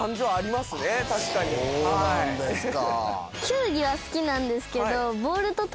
そうなんですか。